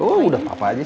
oh udah papa aja sih